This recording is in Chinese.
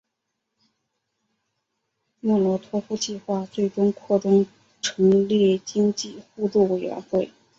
莫洛托夫计划最终扩充成立经济互助委员会。